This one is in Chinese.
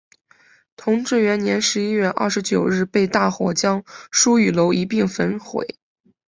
同治元年十一月二十九日被大火将书与楼一并焚毁。